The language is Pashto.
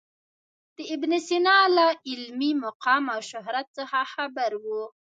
د ابن سینا له علمي مقام او شهرت څخه خبر و.